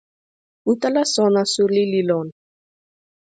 utala sona suli li lon.